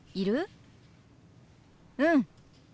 うん！